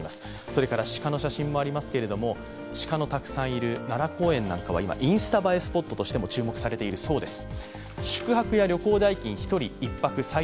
それから鹿の写真もありますけど鹿がたくさんいる奈良公園などは今、インスタ映えスポットとして注目されているそうです。